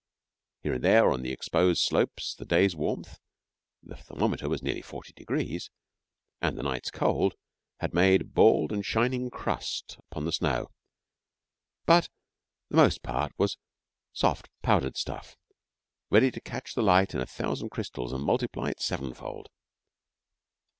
Here and there on the exposed slopes the day's warmth the thermometer was nearly forty degrees and the night's cold had made a bald and shining crust upon the snow; but the most part was soft powdered stuff, ready to catch the light on a thousand crystals and multiply it sevenfold.